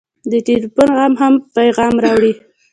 د ټېلفون غږ هم پیغام راوړي.